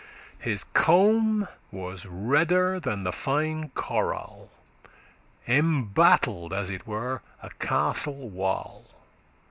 His comb was redder than the fine coral, Embattell'd <5> as it were a castle wall.